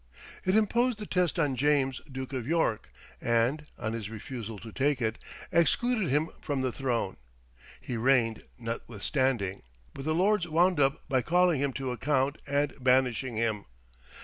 It imposed the test on James, Duke of York, and, on his refusal to take it, excluded him from the throne. He reigned, notwithstanding; but the Lords wound up by calling him to account and banishing him.